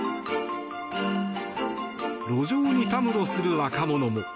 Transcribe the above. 路上にたむろする若者も。